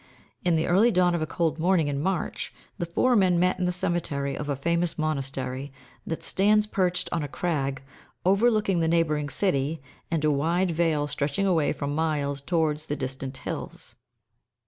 In the early dawn of a cold morning in March, the four men met in the cemetery of a famous monastery, that stands perched on a crag, overlooking the neighbouring city, and a wide vale stretching away for miles towards the distant hills.